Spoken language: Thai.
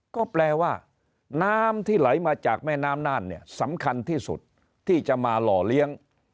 ก็แปลว่าน้ำที่ไหลมาจากแม่น้ำน่านเนี่ยสำคัญที่สุดที่จะมาหล่อเลี้ยง